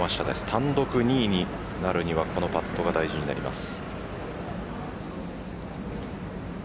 単独２位になるにはこのパットが大事になります。